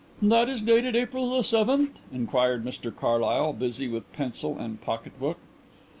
"That is dated April the seventh?" inquired Mr Carlyle, busy with pencil and pocket book.